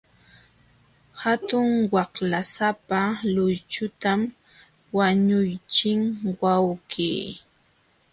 Hatun waqlasapa luychutam wañuqchin wawqii.